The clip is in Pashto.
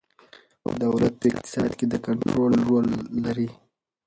دولت په اقتصاد کې د کنترول رول لري.